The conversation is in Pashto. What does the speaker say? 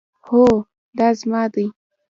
هو، دا زما دی